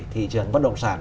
thị trường bất động sản